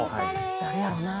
誰やろな。